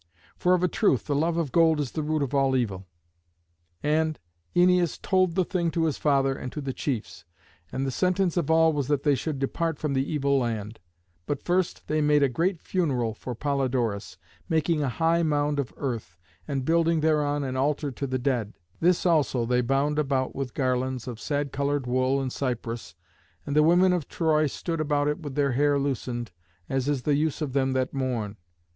For of a truth the love of gold is the root of all evil. And Æneas told the thing to his father and to the chiefs; and the sentence of all was that they should depart from the evil land. But first they made a great funeral for Polydorus, making a high mound of earth, and building thereon an altar to the dead. This also they bound about with garlands of sad coloured wool and cypress, and the women of Troy stood about it with their hair loosened, as is the use of them that mourn.